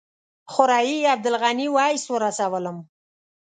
خوريي عبدالغني ویس ورسولم.